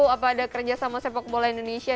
apa ada kerjasama sepak bola indonesia